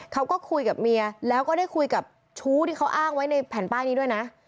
เขาก็คุยกับเมียแล้วก็ได้คุยกับชู้ที่เขาอ้างไว้ในแผ่นป้ายนี้ด้วยนะ